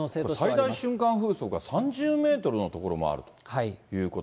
最大瞬間風速は３０メートルの所もあるということ。